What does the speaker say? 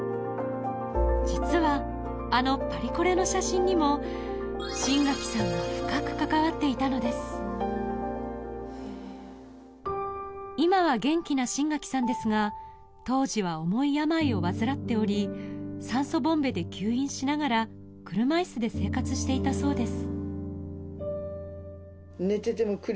実はあのパリコレの写真にも新垣さんが深く関わっていたのです今は元気な新垣さんですが当時は重い病を患っており酸素ボンベで吸引しながら車椅子で生活していたそうです